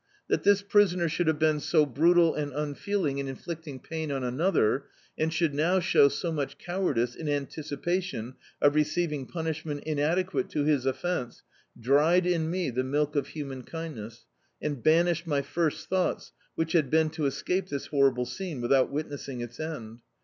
That this prisoner should have been so brutal and tmfeeling in inflicting pain on another, and should now show so much cowardice in anticipation of receiving punishment inadequate to his offence, dried in me the milk of human kindness, and ban ished my first thoughts, which had been to escape this horrible scene without witnessing its end.